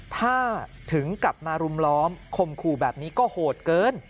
ถ้าถึงกลับมารุมล้อมข่มขู่แบบนี้ก็โหดเกิน